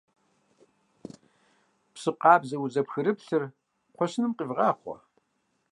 Псы къабзэ, узыпхырыплъыр кхъуэщыным къивгъахъуэ.